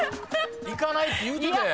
「行かない」って言うてたやん。